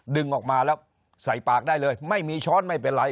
ดึงออกมาแล้วใส่ปากได้เลยไม่มีช้อนไม่เป็นไร